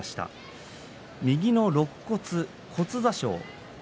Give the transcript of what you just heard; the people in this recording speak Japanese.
右のろっ骨骨挫傷